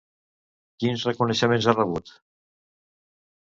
Quins reconeixements ha rebut?